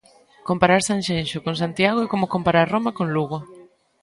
Comparar Sanxenxo con Santiago é como comparar Roma con Lugo.